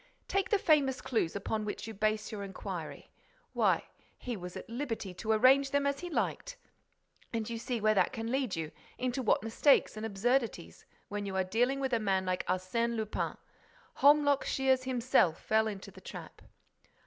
Take the famous clues upon which you base your inquiry: why, he was at liberty to arrange them as he liked. And you see where that can lead you, into what mistakes and absurdities, when you are dealing with a man like Arsène Lupin. Holmlock Shears himself fell into the trap."